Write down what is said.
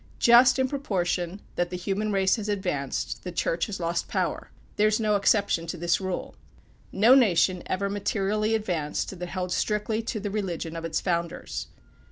Just in proportion that the human race has advanced, the Church has lost power. There is no exception to this rule. No nation ever materially advanced that held strictly to the religion of its founders.